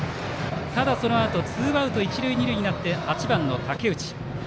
ただそのあとツーアウト一塁二塁になって８番の竹内。